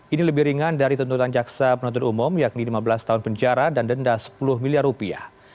ini lebih ringan dari tuntutan jaksa penuntut umum yakni lima belas tahun penjara dan denda sepuluh miliar rupiah